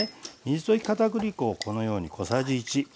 水溶きかたくり粉をこのように小さじ１。